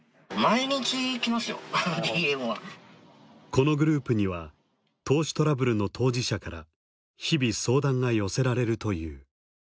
このグループには投資トラブルの当事者から日々相談が寄せられるという。